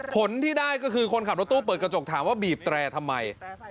ผลที่ได้ก็คือคนขับรถตู้เปิดกระจกถามว่าบีบแตรทำไม